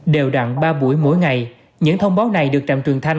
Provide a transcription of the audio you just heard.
đều đặn ba buổi mỗi ngày những thông báo này được trạm trường thanh